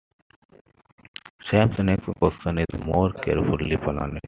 Sam's next question is more carefully planned.